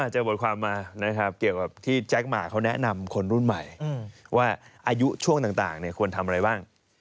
เจอบทความมานะครับเกี่ยวกับที่แจ๊คหมากเขาแนะนำคนรุ่นใหม่ว่าอายุช่วงต่างควรทำอะไรบ้าง